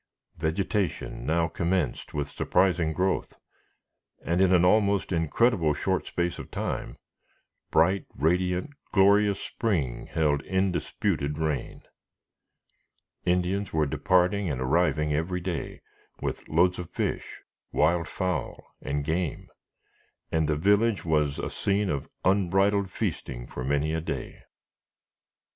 Vegetation now commenced with surprising growth, and, in an almost incredible short space of time, bright, radiant, glorious spring held indisputed reign. Indians were departing and arriving every day with loads of fish, wild fowl, and game, and the village was a scene of unbridled feasting for many a day.